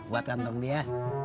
buat kantong dia